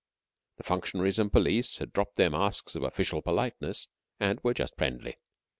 The functionaries and police had dropped their masks of official politeness, and were just friendly.